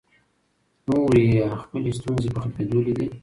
نورې یې خپلې ستونزې په ختمېدو لیدې.